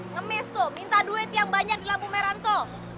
ngemis tuh minta duit yang banyak di lampu merahnto